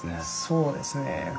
そうですね。